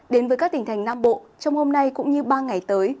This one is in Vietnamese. đến với các tỉnh thành nam bộ trong hôm nay cũng như ba ngày tới